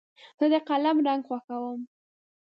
زه د قلم رنګ خوښوم.